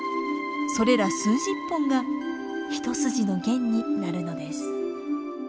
それら数十本がひと筋の弦になるのです。